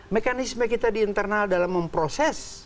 mekanisme kita di internal dalam memproses